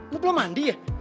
lo belum mandi ya